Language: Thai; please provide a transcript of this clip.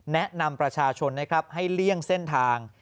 แนะนำประชาชนนะครับให้เลี่ยงเส้นทาง